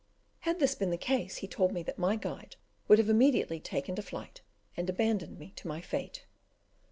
Had this been the case, he told me that my guide would have immediately taken to flight, and abandoned me to my fate.